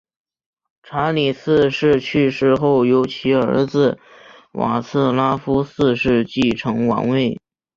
查理四世去世后由其儿子瓦茨拉夫四世继承王位。